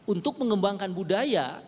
untuk mengembangkan budaya